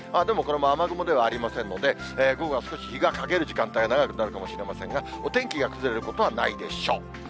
でもこれも雨雲ではありませんので、午後は少し日が陰る時間帯が長くなるかもしれませんが、お天気が崩れることはないでしょう。